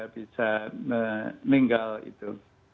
bisa meninggal itu